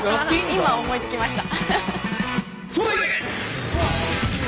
今思いつきました。